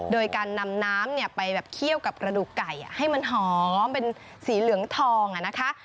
โดยการนำน้ำไปแบบเคี่ยวกับกระดูกไก่ให้มันหอมเป็นสีเหลืองทองนะคะ